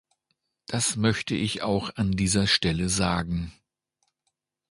Das möchte ich auch an dieser Stelle sagen.